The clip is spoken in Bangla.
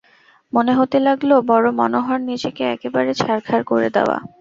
মনে হতে লাগল বড়ো মনোহর নিজেকে একেবারে ছারখার করে দেওয়া।